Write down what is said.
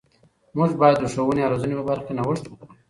موږ باید د ښوونې او روزنې په برخه کې نوښت وکړو.